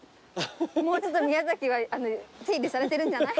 もうちょっと宮崎は手入れされてるんじゃない？